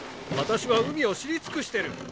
私は海を知り尽くしてる。